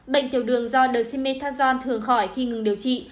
bệnh tiểu đường do dexamethasone thường khỏi khi ngừng điều trị